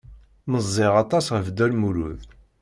Meẓẓiy aṭas ɣef Dda Lmulud.